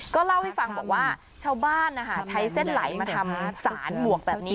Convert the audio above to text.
ก็เล่าให้ฟังบอกว่าชาวบ้านใช้เส้นไหลมาทำสารหมวกแบบนี้